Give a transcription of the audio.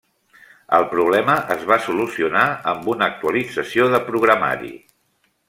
El problema es va solucionar amb una actualització de programari.